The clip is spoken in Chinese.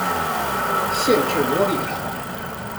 县治窝利卡。